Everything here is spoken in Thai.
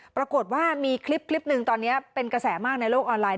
ปรากฏว่ามีคลิปหนึ่งตอนนี้เป็นกระแสมากในโลกออนไลน